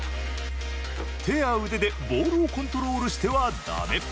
手や腕でボールをコントロールしてはだめ。